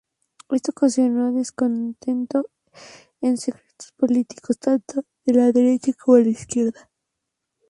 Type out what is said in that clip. Esto ocasionó descontento en sectores políticos tanto de la derecha como de la izquierda.